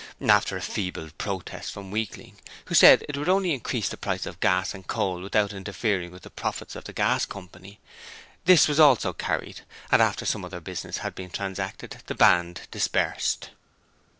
After a feeble protest from Weakling, who said it would only increase the price of gas and coal without interfering with the profits of the Gas Coy., this was also carried, and after some other business had been transacted, the Band dispersed.